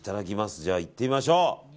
じゃあ、いってみましょう。